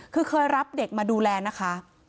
คือเคยรับเด็กมาดูแลนะคะ